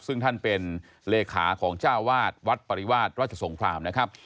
ซึ่งท่านเป็นเลขาของเจ้าวาดวัดปริวาสราชสงครามนะครับ